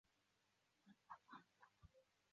蜥熊兽的头部具有许多原始特征。